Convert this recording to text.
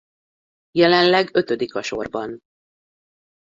Jelenleg ötödik a sorban.